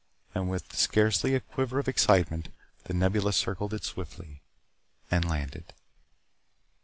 And with scarcely a quiver of excitement the Nebula circled it swiftly and landed.